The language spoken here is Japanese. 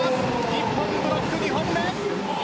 日本のブロック、２本目。